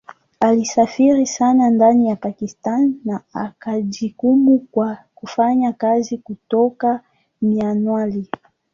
Alisafiri sana ndani ya Pakistan na akajikimu kwa kufanya kazi kutoka Mianwali.